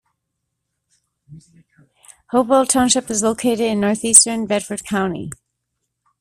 Hopewell Township is located in northeastern Bedford County.